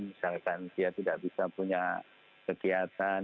misalkan dia tidak bisa punya kegiatan